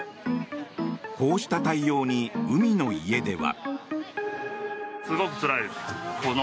こうした対応に海の家では。